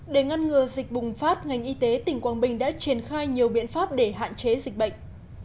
để ngăn ngừa dịch bùng phát ngành y tế tỉnh quảng bình đã triển khai nhiều biện pháp để hạn chế dịch bệnh